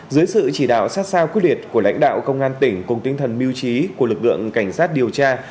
dưới sự chỉ đạo sát sao quyết liệt của lãnh đạo công an tỉnh cùng tinh thần mưu trí của lực lượng cảnh sát điều tra